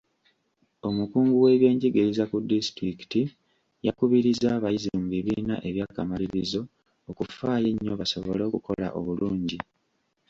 Omukungu w'ebyenjigiriza ku disitulikiti yakubirizza abayizi mu bibiina eby'akamalirizo okufaayo ennyo basobole okukola obulungi.